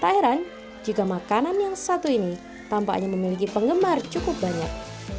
tak heran jika makanan yang satu ini tampaknya memiliki penggemar cukup banyak